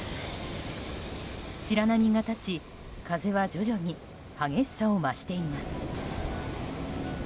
白波が立ち、風は徐々に激しさを増しています。